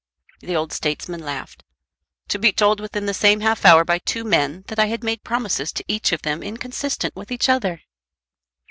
The old statesman laughed. "To be told within the same half hour by two men that I had made promises to each of them inconsistent with each other!"